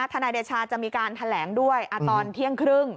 ทนายเดชาจะมีการแถลงด้วยตอนเที่ยงครึ่ง